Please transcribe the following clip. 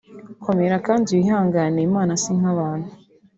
Komera kandi wihangane Imana si nk’abantu